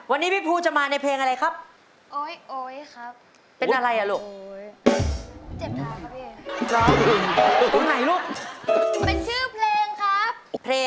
วันนี้พี่ภูจะมาในเพลงอะไรครับ